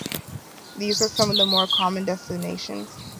These are some of the more common designations.